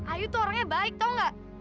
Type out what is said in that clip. ayu tuh orangnya baik tau gak